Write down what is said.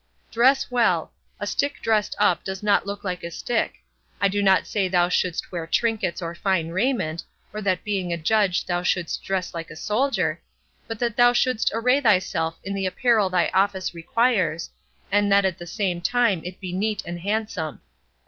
Dress well; a stick dressed up does not look like a stick; I do not say thou shouldst wear trinkets or fine raiment, or that being a judge thou shouldst dress like a soldier, but that thou shouldst array thyself in the apparel thy office requires, and that at the same time it be neat and handsome.